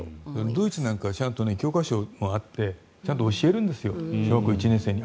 ドイツなんかは教科書もあってちゃんと教えるんです小学校１年生に。